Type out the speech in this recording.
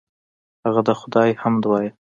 هغه د خدای حمد وایه.